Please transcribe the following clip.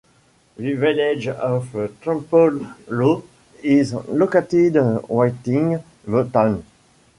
The Village of Trempealeau is located within the town.